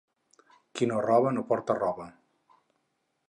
Qui no roba, no porta roba.